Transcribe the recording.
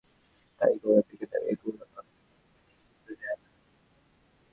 তাই গোরা বেঁকে দাঁড়িয়েছে– গোরা বাঁকলে কেমন বাঁকে সে তো জানই।